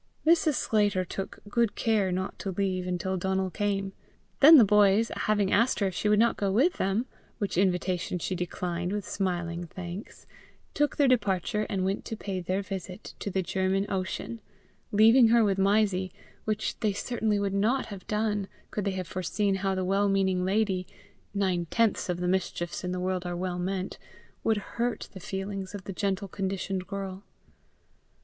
Mrs. Sclater took good care not to leave until Donal came. Then the boys, having asked her if she would not go with them, which invitation she declined with smiling thanks, took their departure and went to pay their visit to the German Ocean, leaving her with Mysie which they certainly would not have done, could they have foreseen how the well meaning lady nine tenths of the mischiefs in the world are well meant would hurt the feelings of the gentle conditioned girl.